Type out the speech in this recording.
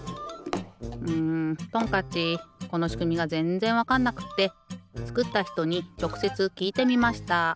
んトンカッチこのしくみがぜんぜんわかんなくってつくったひとにちょくせつきいてみました。